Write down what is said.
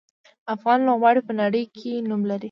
افغان لوبغاړي په نړۍ کې نوم لري.